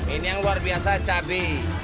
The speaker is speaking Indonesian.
ini yang luar biasa cabai